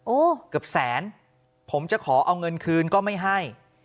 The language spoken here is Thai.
เกือบแสนผมจะขอเอาเงินคืนก็ไม่ให้